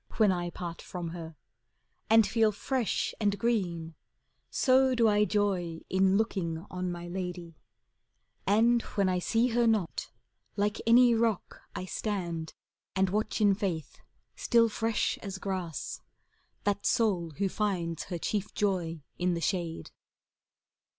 When I part from her; and feel fresh and green, So do I joy, in looking on my lady: And when I sec her not, like any rock I stand, and watch in faith, still fresh as grass, That soul who finds her chief joy in the shade.